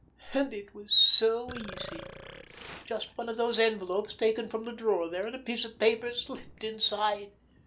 And it was so easy! Just one of those envelopes taken from the drawer there, and a piece of paper slipped inside!"